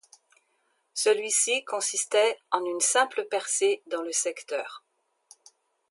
Celui-ci consistait en une simple percée dans le secteur.